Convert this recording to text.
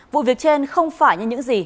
vụ việc trên không phải như những gì